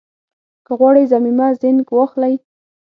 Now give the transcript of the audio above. که غواړئ ضمیمه زېنک واخلئ